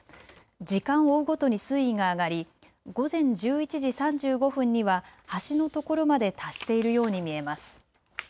時間を追うごとに水位が上がり午前１１時３５分には橋のところまで達しているように見えます。